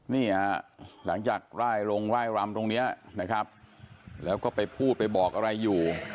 หลังจากไล่ลงไล่รำตรงนี้นะครับแล้วก็ไปพูดไปบอกอะไรอยู่